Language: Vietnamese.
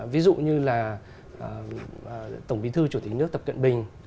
ví dụ như là tổng bí thư chủ tịch nước tập cận bình